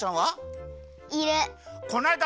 こないだ